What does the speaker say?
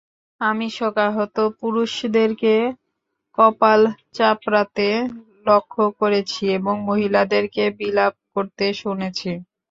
আমি শোকাহত পুরুষদেরকে কপাল চাপড়াতে লক্ষ্য করেছি এবং মহিলাদেরকে বিলাপ করতে শুনেছি।